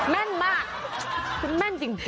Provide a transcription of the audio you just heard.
แม่นมากคุณแม่นจริง